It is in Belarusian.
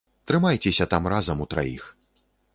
Трымайцеся там разам утраіх.